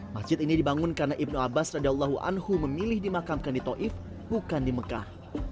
masjid ini dibangun karena ibnu abbas radha allahu anhu memilih dimakamkan di to'if bukan di mekah